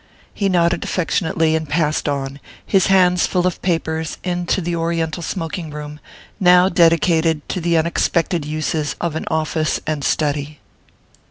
He nodded affectionately and passed on, his hands full of papers, into the Oriental smoking room, now dedicated to the unexpected uses of an office and study.